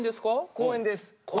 公園です。